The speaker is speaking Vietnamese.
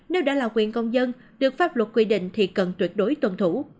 nếu đã là quyền công dân được pháp luật quy định thì cần tuyệt đối tuân thủ